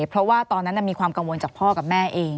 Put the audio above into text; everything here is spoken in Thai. เพราะว่าตอนนั้นมีความกังวลจากพ่อกับแม่เอง